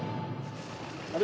あれ？